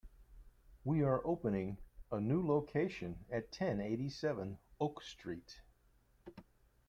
We are opening the a new location at ten eighty-seven Oak Street.